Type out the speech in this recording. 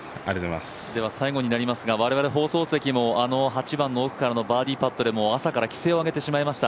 最後になりますが我々放送席もあの８番のバーディーパットで朝から奇声を上げてしまいました。